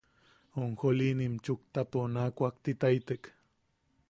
Onjolinim chuktapo naa kuaktitaitek.